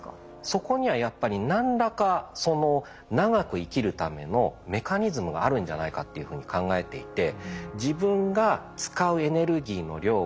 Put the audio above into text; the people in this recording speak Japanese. そこにはやっぱり何らか長く生きるためのメカニズムがあるんじゃないかっていうふうに考えていて。